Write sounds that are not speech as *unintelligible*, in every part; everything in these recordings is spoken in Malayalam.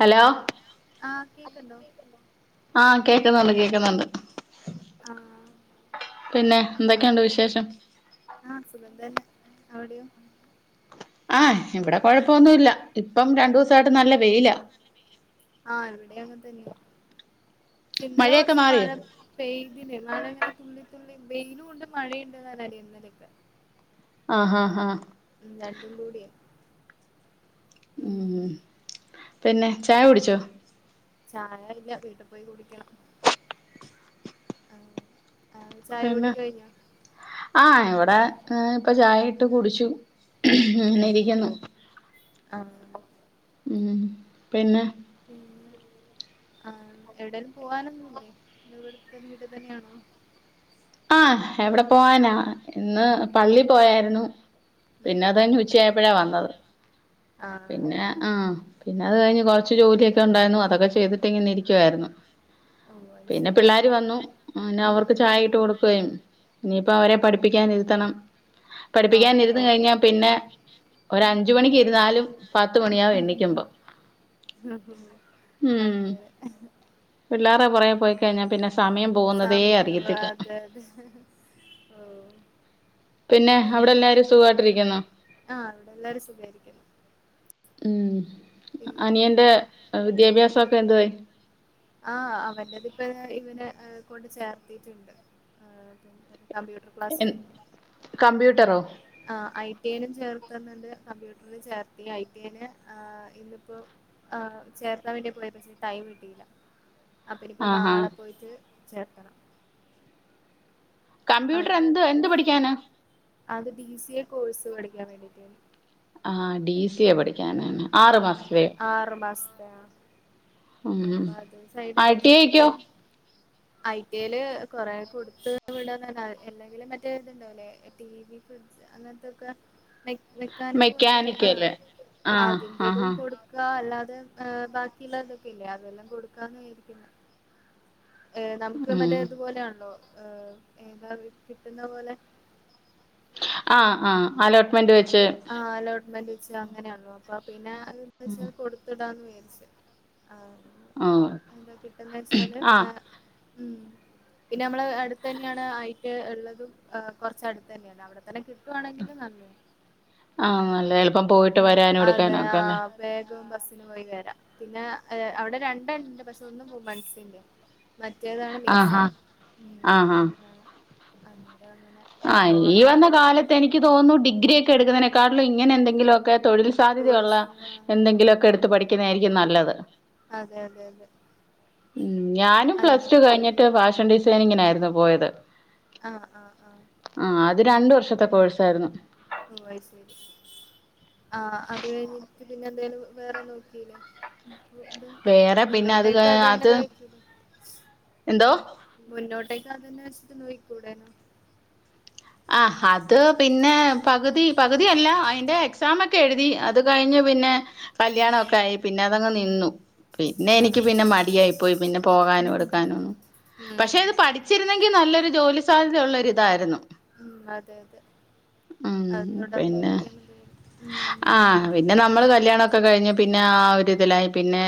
ഹലോ ആഹ് കേക്ക്ണ്ടോ ആഹ കേക്കുന്നുണ്ട് കേക്കുന്നുണ്ട് ആഹ് പിന്നെ എന്തൊക്കെയുണ്ട് വിശേഷം ആഹ് സുഖം തന്നെ അവിടെയോ ആഹ് ഇവിടെ കൊഴപ്പൊന്നുമല്ല ഇപ്പം രണ്ടു ദിവസായിട്ട് നല്ല വെയിലാ ആഹ എവിടെയാണ് തന്നെ ഇന്നലെ മഴയൊക്കെ കുറച്ച് മഴ മാറിയോ പെയ്ത് മഴ ഇങ്ങനെ തുള്ളിത്തുള്ളി വെയിയിലും കൊണ്ട് മഴയുണ്ട്ന്നാണ് അറിയുന്നലൊക്കെ ആഹ ആഹ ആഹ രണ്ടും കൂടിയ ഉം പിന്നെ ചായ കുടിച്ചോ ചായ ഇല്ല വീട്ടിൽ പോയി കുടിക്കണം ആ പിന്നെ ആഹ ഇവിടെ ഒക്കെ ചായ ഇട്ട് കുടിച്ചു അങ്ങനെ ഇരിക്കുന്നു ആ ഉം പിന്നെ പിന്നെ ആ എവിടെേിലും പോവാനൊന്നുമല്ലേ എ ഇവിടെടുത്തന്നന്ന് വീട്ട തന്നെയാണോ ആഹ എവിടെ പോവാനാ ഇന്ന് ഉം പള്ളി പോയായിരുന്നു പിന്നെ അതുകഴിഞ്ഞ ഉച്ചആയപ്പോഴാ വന്നത് ആഹ് പിന്നെ ആഹ പിന്നെ അ കഴഞ്ഞ് കുറച്ച്ു ജോലിയൊക്കെ ഉണ്ടായിരുന്നു അതൊക്കെ ചെയ്തിട്ട് ഇങ്ങനെ ഇരിക്കുവായിരുന്നു ഓഹ് അത് പിന്നെ ശരി പിള്ളോര് വന്നു പിന്നെ അവർക്ക് ഉം ചായ ഇട്ട് കൊടു *unintelligible* ഇനിയിപ്പ അവരെ പഠിപ്പിക്കാൻ ഇരുത്തണം പഠിപ്പിക്കനിരുന്നാ ആഹ് കഴിഞ്ഞാ പിന്നെ ഒരൂ അഞ്ച് മണിക്ക് ഇരുന്നാലും പത്ത് മണിയാവും എണ്ണിക്കുമ്പം ഉ അങ്ങനെ എ പറയാ പോയി കഴിഞ്ഞാ പിന്നെ സമയം പോകുന്നതേ അറിയത്തില്ല. *unintelligible* പിന്നെ അവിടെ എല്ലാരും സുഖായിട്ടിരിക്കുന്നോ ആഹ എല്ലാരും സുഖരിക്കുന്നു. ഉം അനിയന്റെ വിദ്യാഭ്യാസക്കെ എന്തോയി. ആ അവന്റെത് ഇപ്പ ഇവനെ കൊണ്ട് ചേർത്തിട്ടുണ്ട്. കമ്പ്യൂട്ടർ ക്ലാസ്സിന് *unintelligible* കമ്പ്യൂട്ടറോ ആ ഐ ടി ഐനും ചേർത്ത്ന്നണ്ട് കമ്പ്യൂട്ടറിൽ ചേർത്തി ഐ ടി ഐന് ഇന്നിപ്പോ ചേർത്താൻ വേണ്ടി പോയ പക്ഷേ ടൈം കിട്ടിയില്ല. അപ്പൊ ഇപ്പൊ ആഹാ നാളെ പോയിട്ട് ചേർത്തണം കമ്പ്യൂട്ടർ എന്ത് എന്ത് പഠിക്കാനാ അത് ഡി സി എ കോഴ്സ് പഠി എല്ലാം മേടിക്കാൻ ആ ഡി സി എ പഠിക്കാ ആ ആറ് മാസത്തെ ആ ഉം അപ്പൊ അത് സൈഡ് ഐ ടി ആയിട്ട് ഐക്കോ ഐ പി എൽ കൊറേ കൊടുത്തു വിടുന്നാതന്നാ ഇല്ലെങ്കില് മറ്റേ ഇതു ഇണ്ടാവിലെ ടി വി, ഫ്രിഡ്ജ് അങ്ങനത്തെ ഒക്കെ മെക്കാനിക്ക് പോലത്തെ ഇല്ലേ മെക്കാനിക്കല് ആ ആഹ് അതിന്റെതും ആഹ് ആഹ് കൊടുക്കാം അല്ലാതെ ബാക്കി ഇള്ളതൊക്കേ ഇല്ലേ അതെല്ലാം കൊടുക്കാന്ന് വിചാരിക്കുന്നു. എ നമ്മുക്ക് മറ്റേ ഉം ഇതുപോലെ ആണല്ലോ ഏതാ അത് കിട്ടുന്ന പോലെ ആ ആ അലോട്ട്മെൻ്റ് വെച്ച് ആ അലോട്ട്മെന്റ് വച്ച് അങ്ങനെ ആണല്ലോ? പ്പോ പിന്നെ അത് പക്ഷേ കൊടുത്തുടാന്ന് വി ആഹ് ന്താ കിട്ടുന്നേച്ചാല് ആഹ് ഉം പിന്നെ നമ്മള് അടുത്തന്നെ ആണ് ആയിട്ട് ഇള്ളതും കുറച്ച് അടുത്തന്നെയാണ് അവിടെ തന്നെ കിട്ടു വാണെങ്കില് നല്ലത്. ആ അതെ ആ വേഗം ബസ്സിന് പോയി വരാം. പിന്നെ അവിടെ രണ്ടെണ്ണം ഇണ്ട് ഒന്ന് വുമൺസിൻ്റെയാ. മറ്റേതാണ് ആഹ് ആഹ് മിക്സിഡ് ആഹ് ആഹ് ആ അന്നേരം അങ്ങനെ അപ്പോ ഈ വന്ന് കാലത്ത് എനിക്ക് തോന്നുന്നു ഡിഗ്രി ഒക്കേ എടുക്കുന്നതിനെക്കാളും ഇങ്ങനെ എന്തെങ്കിലും എന്തെങ്കിലും ഒക്കെ തൊഴിൽ സാധ്യതയുള്ള കോഴ്സ് എന്തെങ്കിലും ഒക്കെ എടുത്ത് പഠിക്കുന്നതായിരിക്കും നല്ലത് *unintelligible* അതെ അതെ ഞാനും പ്ലസ് ടു അതിന്റെ കഴിഞ്ഞിട്ട് ഫാഷൻ ഡിസൈനിംങ്ങിനാരുന്നു പോയത് ആ ആ ആ അത് രണ്ട് വർഷത്തെ കോഴ്സ് ആരുന്നു ഒ അതു ശരി ആ അതു കഴിഞ്ഞിട്ട് പിന്നെ എന്തേലും വേറെ നോക്കില്ലേ മുന്നോട്ടേക്ക് അത് എങ്ങനായി *inaudible* എന്തോ എന്തോ മുന്നോട്ടേ അദെന്നെ വെച്ചിട്ട് നോക്കിക്കൂടായിനോ ആ അത് പിന്നെ പകുതി അല്ല അതിന്റെ എക്സ്സാം ഒക്കെ എഴുതി അത് കഴിഞ്ഞ് പിന്നെ ഉം കല്ല്യാണം ഒക്കെ ആയി പിന്നെ അതങ്ങ് നിന്നു പിന്നെ എനിക്ക് ആഹ് ആഹ് പിന്നെ മടിയായി പോയി പിന്നെ പോകാനും എടുക്കാനും ഉം പക്ഷെ ഇത് പഠിച്ചിരുന്നെങ്കിൽ നല്ലൊരു ജോലി സാധ്യതയുള്ളള്ള ഒരിതായിരുന്നു ഉം അതെ ഉം അതെ അ *inaudible* പിന്നെ നോക്കിയണ ഉ ഒക്കെ കഴിഞ്ഞഞ് പിന്നെ ആ ഒരു ഇതിലായി പിന്നെ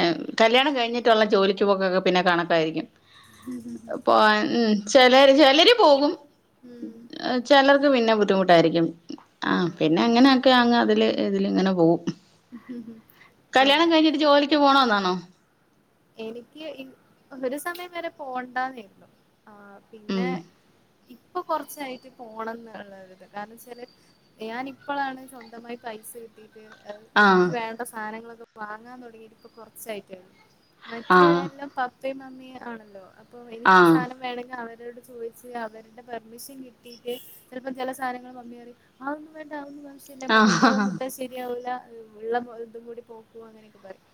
കല്യാണം കഴിഞ്ഞിട്ടുള്ള ജോലിക്ക് പോക്കൊക്കെ പിന്നെ കണക്കായിരിക്കും ഉം ഇപ്പം ഉം ചില ചിലര് പോകും ഉം ചിലർക്ക് പിന്നെ ബുദ്ധിമുട്ടായിരിക്കും ആഹ ആഹ് പിന്നെ അങ്ങനെയൊക്കെ അ തില ഇങ്ങനെ പോകും കല്യാണം ആഹ് കഴിഞ്ഞിട്ട് ജോലിക്ക് പോണന്നാണോ എനിക്ക് ഒരു സമയം വരെ പോണ്ടനയിനു ആഹ ഉം പിന്നെ ഇപ്പൊ കൊറച്ചായിട്ട് പോണം എന്നുള്ളത് കാരണം വച്ചാല് ഞാൻ ഇപ്പോഴാണ് സ്വന്തമായി പൈസ കിട്ടി എനിക്ക് ആഹ് വേണ്ട സാധനങ്ങളൊക്കെ വാങ്ങാൻ തുടങ്ങിട്ട ഇപ്പൊ കൊറച്ചായിട്ടായിരുന്നു മറ്റേ ആഹ് എല്ലാം പപ്പയും മമ്മയും ആണല്ലോ അപ്പ എനിക്കൊരു ആഹ് സാധം വേണെിൽ അവ ചോച്ച് അവരുടെ പെർമിഷൻ കിട്ടിട്ട് ചപ്പം ചില സാധനങ്ങളും അമ്മിറി ആ ഒന്നും വേണ്ട ആ പക്ഷെ ആഹ് മുഖത്താവന്നിട്ട ശരിയാവല വള്ളം എന്തും കൂടി പോക്കുവോ അങ്ങനെയൊക്കെ പറയും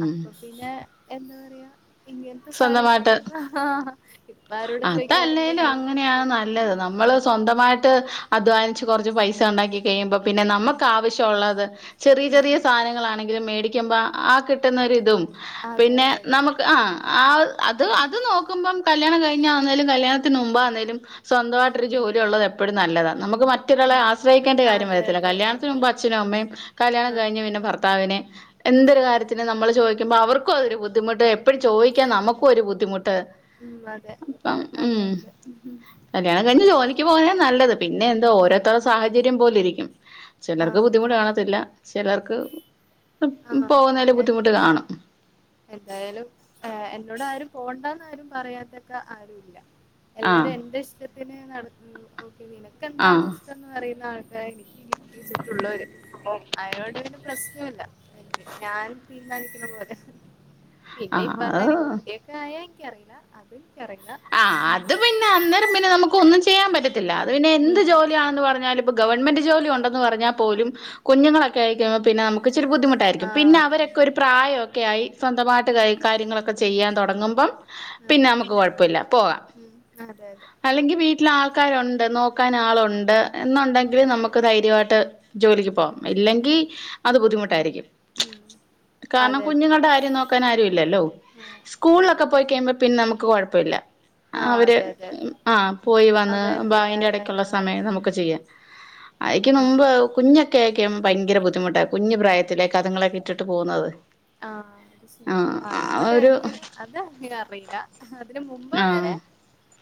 ഉം അപ്പൊ പിന്നെ എന്നന്താ പറയാ ഇങ്ങനത്തെ സ്വന്തമായിട്ട് സാധനങ്ങളൊക്കെ ഇപ്പ ആരോടും ചോദിക്കാറില്ല അതല്ലേലും ഞാൻ അങ്ങനെയാണ് നല്ലത് നമ്മള് സ്വന്തമായിട്ട് അധ്വാനിച്ച് കുറച്ച് പൈസ ഉണ്ടാക്കി കഴിയുമ്പ പിന്നെ നമുക്ക് ആവശ്യം ഉള്ളത് ചെറിയ ചെറിയ സാധനങ്ങളാണെങ്കിലും മേടിക്ക മെഡിക്കുമ്പോ ആ കിട്ടുന്നൊരി ഇതും അതെ പിന്നെ അതെ അതെ നമുക്ക് ആ ആ അത് ഉം അത് നോക്കുമ്പം കല്യാണ ക പിന്നെ ആന്നായാലും കല്യാണത്തിന് മുമ്പ് ആന്നോലും ഉം സ്വന്തമായിട്ടൊരു ജോലി ഉള്ളത് എപ്പോഴും നല്ലതാ നമുക്ക് മറ്റൊരാളെ ഉം ആശ്രയിക്കേണ്ട കാര്യം അതെ വരത്തില്ല അതെ അതെ കല്യാണത്തിന് മുമ്പ് അച്ഛനും അമ്മയും കല്യാണം ആഹ് കഴിഞ്ഞ് പിന്നെ ഭർത്താനെ ഉം എന്തൊരു കാര്യത്തിന് നമ്മൾ ചോദിക്കുമ്പോ അവർക്ക് ഒരു ബുദ്ധിമുട്ട് എപ്പഴും ചോയി ക്കാൻ. നമുക്കും ഒരു ബുദ്ധിമുട്ട് അപ്പം ഉം അതെ ഉ അതെ അതെ ഉം കല്യാണം കഴിഞ് ജോലിക്ക് പോകാന നല്ലത് പിന്നെ എന്തോ ഉം ഓരോത്തരു സാഹചര്യം പോലെ ഇരിക്കും ചിലർക്ക് ആഹ് അതെ ബുദ്ധിമുട്ട് കാണത്തില്ല ചിലർക്ക് ആ പോകുന്നതില് പിന്നെ ബുദ്ധിമുട്ട് കാണും എന്തായാലും എന്നോട് ആരും പോണ്ടന്ന് ആരും പറയാത്തക്കെ ആരുല്ല എല്ലരും ആഹ് എന്റെ ഇഷ്ടത്തിന് നടുന്നു ഓക്കെ നിനക്ക്‌ എന്താണോ ആഹ് ഇഷ്ടം എന്ന് പറയുന്ന ആ അത എനിക്ക് കിട്ടിട്ടുള്ളവര് അയിനോട് ഇന്ക്ക്‌ പ്രശ്നമില്ല ഞാൻ തീരുമാനിക്കണ പോലെ പിന്നെ ആഹ് അത് ഇപ്പറഞ്ഞമാതിരി കുട്ടിയൊക്കെ ആയാ അറിയില്ല അതി ആ് അത് പിന്നെ അന്നേരം പിന്നെ നമുക്ക് ഒന്നും ചെയ്യാൻ പറ്റ അത് പിന്നെ ഉം. എന്ത് ഉം ജോലിയാണെന്ന് പറഞ്ഞാലും ഗവൺമെന്റ് ജോലി ഉണ്ടെന്ന് പറഞ്ഞാൽ പോലും കുഞ്ഞുങ്ങളൊക്കെ ആയികഴിയുമ്പോ പിന്നെ നമു ഇച്ചിരി ബുദ്ധിമുട്ടായിരിക്കും ആഹ് പിന്നെ അതാണ് അവരൊക്ക ഒരു പ്രായംക്കെ ഒക്കൊയി സ്വന്തമായിട്ട് ഉം കൈ കാര്യങ്ങളൊക്കെ ചെയ്യാൻ തുടങ്ങും ബം പിന്നെ ആഹ് നമുക്ക് കൊഴ്പ്പല്ല പോവാ ഉം അതെ അതെ അല്ലെങ്കി വീട്ടില് ആൾക്കാരുണ്ട് നോക്കാൻ ആളുണ്ട് ഉം എന്നുണ്ടെങ്കില് നമുക്ക് ധൈര്യമായിട്ട് ജോലിക്ക് പോകം ഇല്ലെങ്കി ഉം അത് ബുദ്ധിമുട്ടായിരിക്കും ഉം കാരണം അതെ അതെ കുഞ്ഞുങ്ങളുടെ കാര്യം നോക്കാൻ ആരും ഇല്ലല്ലോ ആഹ് സ്കൂളിലൊക്കെ ആഹ് പോയി കഴിയുമ്പോ പിന്നെ നമുക്ക് കൊഴ് പ്പല്ല ആഹ് അവര് അതെ അതെ അതെ ആ പോയി വന്ന് അവര് പിന്നെ അയിന്റെ ഇടയ്ക്കുള്ള അതായാലോ സമയം നമുക്ക് ചെയ്യാം അയിക്ക് അങ്ങനെ മുമ്പ് കുഞ്ഞ് *unintelligible* ഭയങ്കര ബുദ്ധിമുട്ടാണ് കുഞ്ഞു പ്രായത്തിലേ അത്ങ്ങളൊക്കെ വിട്ടിട്ട് പോകുന്നത് ആ ആ അങ്ങോട്ട് എങ്ങനെ അത് അറില്ല അതിന് മുമ്പ് ആ വരെ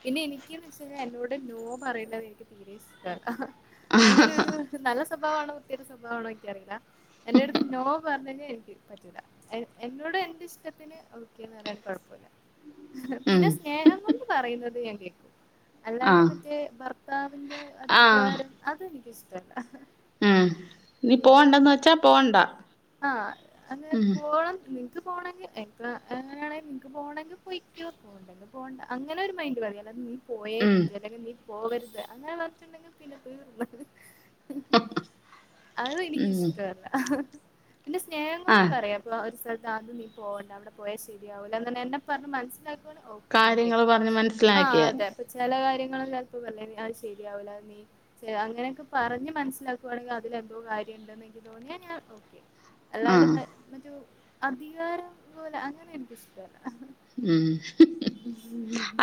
പിന്നെ എനിക്കീന്ന് വെച്ചാ *unintelligible* എന്നോട് നോ പറയ്ണത് എനിക്ക് തീരേ ഇഷ്ട അങ്ങനെ ഒരു നല്ല സ്വ സ്വഭാവമാണോ വൃത്തികെട്ട സ്വഭാവമാണോ എനിക്കറിയില്ല എന്റെ അടുത്ത് നോ പറഞ്ഞ് കഴിഞ്ഞാൽ എനി ക്ക് പറ്റൂല എ എന്നോട് എന്റെ ഇഷ്ടത്തിന് ഓക്കേന്ന് പറയുവാണേ കുഴപ്പമില്ല ഉം പിന്നെ സ്നേഹം കൊണ്ട് പറയുന്നത് കേക്കും ആ അല്ലാണ്ട് മറ്റേ ഭർ ത്താവി ന്റെ അധികാരം അതെനി ക്കിഷ്ടമല്ല ആ നീ പോവണ്ടന്ന് വച്ചാ പോവണ്ട ഉം ഇപ്പം നിങ്ങക്ക് പോണെങ്കിൽ എന്താ അങ്ങനാണേൽ നിങ്ങൾക്ക് പോണെങ്കിൽ പൊയ്ക്കോ പോകണ്ടെങ്കിൽ പോകണ്ട അങ്ങനെ ഒരു മൈൻഡ് പറയുവേലേ അത് നീ പോയേ ഉം പറ്റൂ അല്ലെങ്കിൽ നീ പോകരുത് അങ്ങനെ പറഞ്ഞിട്ടുണ്ടെങ്കിൽ പിന്നെ തീർന്നു അതൊന്നും ഉം എനിക്കിഷ്ടമല്ല പിന്നേ സ്നേഹം കൊണ്ട് ആഹ് പറയാം ഒരു സ്ഥലത്ത് ആദ്യം നീ പോകണ്ട അവിടെ പോയാൽ ശരിയാവൂല അങ്ങനെ എന്നെ പറഞ്ഞ് മനസ്സിലാക്കി കാര്യങ്ങള് പറഞ്ഞ് ആ മനസ്സിലാക്കിയ അതെ അപ്പം ചെല കാര്യം നിങ്ങളെല്ലാര്ത്തു പറ്ഞ്ഞില്ലെ അഹ് ശരിയാവൂല നീ ചെ അങ്ങനെയൊക്കെ പറഞ്ഞ് മനസ്സിലാക്കുവാണെങ്കി അതിലെന്തോ കാര്യണ്ടെന്ന് എനിക്ക് തോന്നിയാ ഞാൻ ഓക്കെ അല്ലാണ്ട് ആഹ് അധികാരം പോലെ അങ്ങനെ എനിക്കിഷ്ടാ ഉം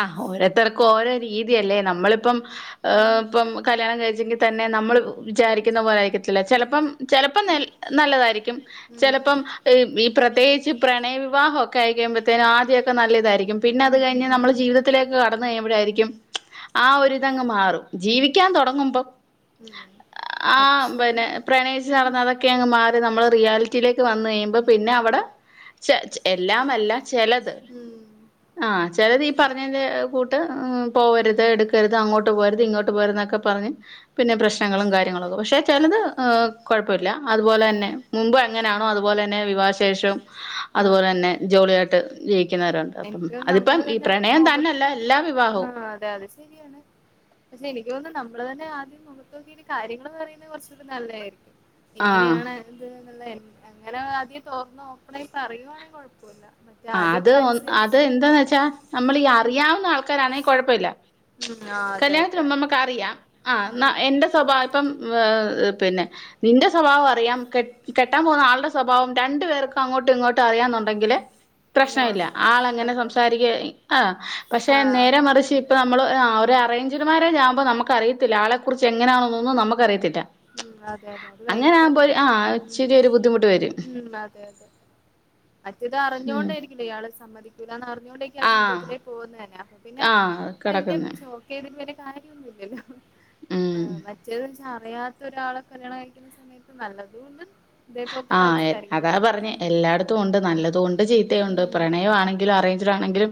ആ ഓരോത്തർക്കും ഓരോ രീതിയല്ലേ നമ്മളിപ്പം ഹ് ഇപ്പം കല്യാണം കഴിച്ചെങ്കിൽ തന്നെ നമ്മൾ വിചാരിക്കുന്ന പോലായിരിക്കത്തില്ല ചിലപ്പം ചിലപ്പോ ന നല്ലതായിരിക്കും ഉം ചിലപ്പം ഈ പ്രത്യേകിച്ച് പ്രണയ വിവാഹം കഴിക്കുമ്പത്തേനും ആദ്യ നല്ലതായിരിക്കും പിന്നെ അത്കഴിഞ്ഞ് നമ്മൾ ജീവിതത്തിലേക്ക് കടന്ന് കഴിയുമ്പോഴായിരിക്കും ആ ഒരുരിതങ്ങ് മാറും ജീവിക്കാൻ തുടങ്ങുമ്പോ ഉം ആ അത് പിന്നെ ശരിയാണ് പ്രണയിച്ച് നടന്നതൊക്കെയങ്ങ് മാറി നമ്മള് റിയാലിറ്റി റ്റിയിലേക്ക് വന്ന് കഴിയുമ്പോ പിന്നെ അവിടെ എല്ലാം എല്ലാം ചെലത് ഉം ആ ചെലത് ഈ പറഞ്ഞേന്റെ കൂട്ട് പോവരുത് ഉം എടുക്കരുത് അങ്ങോട്ട് പോവരുത് ഇങ്ങോട്ട് പോവരുത് നൊ ക്ക പറഞ്ഞ് പിന്നെ പ്രശ്നങ്ങളും കാര്യങ്ങളൊക്കെ പക്ഷേ ചെലത് ഏഹ് കൊഴപ്പോല്ല അതുപോലെതന്നെ മുമ്പും എങ്ങനാണോ അതുപോലെതന്നെ വിവാഹ ശേഷോം അതുപോലെതന്നെ ജോളിയായി *unintelligible* എനിക്കോന്ന് നമ്മള് തന്നെ തന്നെയല്ല മൊഗത്തോക്കി എല്ലാ ആ വിവാഹവും അതെ അത് ശെരിയാണ് പക്ഷെ എനിക്ക് തോന്നുന്നു നമ്മള് തന്നെ ആദ്യം മൊഗത്തോക്കിട്ട് കാര്യങ്ങൾ പറയുന്നത് കൊറച്ചൂടി നല്ലെയാരിക്കും ആഹ് എങ്ങനെയാണ് ഇത് ന്ന്ള്ളെൻ അങ്ങന ആദ്യം തോർന്ന് നോക്കണേൽ പറയുവാണെ കുഴപ്പോല്ല മറ്റെ ആദ്യോ ദ് ഒന്ന് അത് എന്താന്ന് വെച്ചാ നമ്മളീ അറിയാവുന്ന ആൾക്കാരാന്നെ കൊഴപ്പവില്ല ഉം ആഹ് അതെ കല്യാണത്തിന് അതെ മുമ്പ് മ്മക്ക് അറിയാം ആ ന്നാ ഉം എന്റ സ്വഭാവ ഇപ്പം പിന്നെ നിന്റെ സ്വഭാവം അറിയാം കെട് കെട്ടാൻ പോവുന്ന ആള്ടെ സ്വഭാവം രണ്ട് പേർക്കും അങ്ങോട്ടും ഇങ്ങോട്ടും അറിയാന്നൊണ്ടങ്കില് പിന്നെ പ്രശ്നവില്ല കുഴപ്പമില്ല ആളങ്ങനെ അതെ അതെ സംസാരിക്കെ ആ പക്ഷേ ആഹ് നേരെ മറിച്ച് ഇപ്പ മ്മള് ആ രേ അറേഞ്ചിഡ് മാരേജ് ആവ്മ്പോ നമ്മക്ക് അറിയത്തില്ല ആളെ കുറിച്ച് എങ്ങനാണന്നൊന്നും നമ്മക്ക് അറിയത്തില്ല ഉം അതെ അതെ അത് ഭയങ്കര താണ് ആ ഉം ഇച്ചിരി ഒരു ബുദ്ധിമുട്ട് വരും ഉം അതെ അതെ മറ്റത് അറി ഉം ഞ്ഞോണ്ടേരിക്കില്ലേ ഇയാള് സമ്മതി ക്കൂലാന്നാണ് ഞ്ഞോണ്ടേക്കും ആ ജീവിതത്തിലേ പോവ്ന്നേന്നെ അപ്പ പിന്നെ ആ വെല്യ കിടക്കുന്ന് ഷോക്കേ *unintelligible* കാര്യോന്നുല്ലല്ലോ ആ ഉം മറ്റേതും ചാർ ത്തൊരാള കല്യാണം കഴിക്കുന്ന സമയത്ത് നല്ലതും ഉണ്ട് ഇതേപോലത്തെ ആഹ് കുറച്ച് എ കാര്യങ്ങളും അതാ ഉണ്ട് പറഞ്ഞെ എല്ലാടത്തു ഒണ്ട് നല്ലതു ഒണ്ട് ചീ ത്തെ ഒണ്ട് ഉം പ്രണയവാണെങ്കിലും അറേഞ്ച്ഡ് ആണ *unintelligible*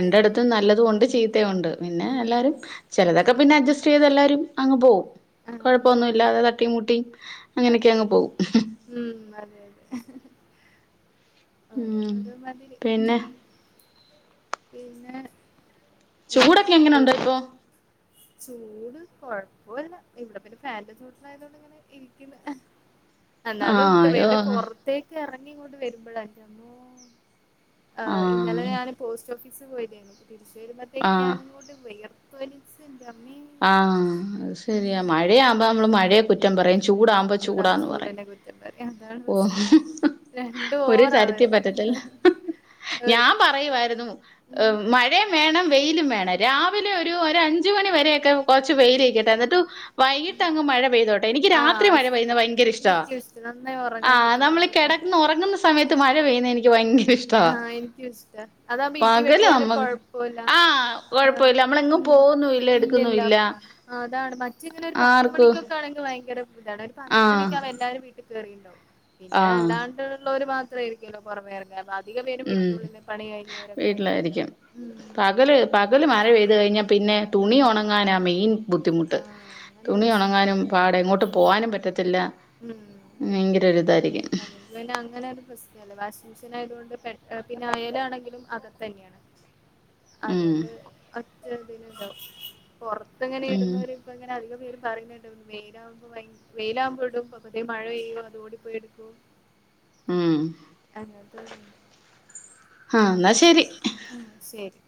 ശരിയാ നല്ലതു ഒണ്ട് ചീത്തേ ഒണ്ട് പിന്നെ ഉം എല്ലാരും ചെലത ഒക്കെ പിന്നെ അഡ്ജസ്റ്റൈയ്ത് എല്ലാരും അങ് പോവും ആഹ് കൊഴപ്പൊന്നുല്ലാതെ തട്ടിമുട്ടിം അങ്ങനൊക്കെ അതെ അങ്ങ് പോവും. ഉം അതെ അതെ. ഓരോന്ന് ഉം ഓരോ മാതിരി ഉം പിന്നെ പിന്നെ ചൂടക്കെ ഇനി എങ്ങനെണ്ട് ഇപ്പൊ ചൂട് കൊഴപ്പോല്ല ഇവിടെ പിന്നെ ഫാന്റെ ചോട്ടിലായതോണ്ട് ഇങ്ങനെ ഇരിക്ക്ന്നു. എന്നാലും ആഹ് ഉണ്ട് അയ്യോ എവിടെ പൊറത്തേക്ക് എറങ്ങിങ്ങോട്ട് വരുമ്പഴാ. ന്റമ്മോ ആഹ് ഇന്നലെ ഞാന് പോസ്റ്റ് ഓഫീ സ പോയ *unintelligible* തിരിച്ച് വരുമ്പത്തേക്ക് ആഹ് ഞാനങ്ങോട്ട് വിയർ *unintelligible* ആഹ് അത് ശരിയാ, ഉം മഴയാവുമ്പോ നമ്മള് മഴയെ കുറ്റം പറയും, ചൂട വുമ്പോ ചൂടാ ചൂടാന്ന് പറയും. ചൂടിനെ കുറ്റം പറയാ അതാണ് ഓ പ്രശ്നം. രണ്ടും ഒരുതരത്തി ഓവറാവരുത്. പറ്റത്തില്ല. ഒരു ഞാൻ പറയുവാരുന്നു. ഉം മഴയും വേണം വെയിലും വേണം എ രാവിലെ ഒരു ഒരഞ്ച് മണിവരെ കുറച്ചു വെയിലിക്കട്ടെ എന്നിട്ടു വൈകീട്ടങ്ങ് മഴ പെയ്തോട്ടെ. എനിക്ക് ആഹ് രാത്രി അത് മഴ ശരിയാ. പെയ്യുന്നത് ഭയങ്കര ഇഷ്ടാ. എനിക്കും ഇഷ്ട നന്നായി ഒറങ്ങാൻ ആഹ് പറ്റും നമ്മള് നല്ല കെടന്ന് തണുപ്പില്. ഉറങ്ങുന്ന സമയത്ത് മഴ പെയ്യുന്ന എനി ക്ക് ഭയങ്ക ആഹ്, എനിക്കും ഇഷ്ടാ, അതാവുമ്പോ ഇടി പകല് വെട്ടിയാലും നമ്മക്ക് കൊഴപ്പവില്ല ആ ആഹ് കൊഴപ്പമില്ല ഉം നമ്മളെങ്ങും ഉം പോകുന്നുമില്ല ഇല്ലല്ലോ. എടുക്കുന്നുമില്ല അതാണ് മറ്റിങ്ങനെ ഒരു പത്ത് ആർക്കും മണിക്കൊക്കെ ആണെങ്കിൽ ഭയങ്കര ബുധനൊരു ആ പന്ത്രണ്ടണിക്കാവും എല്ലാരും വീട്ട് കേറിണ്ടാവും. ആ പിന്നെ അല്ലാണ്ട്ള്ളോര് മാ *unintelligible* ഉം വീട്ടിലായിരിക്കും, എത്തിണ്ടാവും ഉം പകല് പകല് മഴ പെയ്ത് കഴിഞ്ഞാ പിന്നെ തുണി ഉണങ്ങാനാ മെയിൻ ബുദ്ധിമുട്ട് ആഹ് അങ്ങനെ തുണി പ്രശ്നണ്ട് ഉണങ്ങാനും പാടെ എങ്ങോട്ടും പോകാനും പറ്റത്തില്ല. ഉം ഭയങ്കര ഒരിതായിരിക്കും നമുക്ക് പിന്നെ അങ്ങനെ ഒരു പ്രശ്നല്ല. വാഷിംഗ്‌ മനുഷ്യനായതു കൊണ്ട് പെ എഹ്, പിന്നെ ഏലാണെങ്കിലും അതെ - തന്നെയാണ് ഉം അതുകൊണ്ട് ഒക്കെ എന്തേലും ഉണ്ടാവും പുറത്ത്ങ്ങനെ ഉം ഇടുന്നവരും ഇ ഇങ്ങനെ അധിക പേ പറനെകെട്ട് വെയിലാവുമ്പോ വെയിലാവകുമ്പോ ഇട്ടും അപ്പ പതേ മഴ പെയ്യോ അതാണ്ട് പേ ടിക്കും *unintelligible* ഉം എന്നിട്ട് ഉ ആഹ് എന്നാ ശരി ആ ശരി